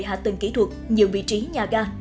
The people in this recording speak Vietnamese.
hạ tầng kỹ thuật nhiều vị trí nhà ga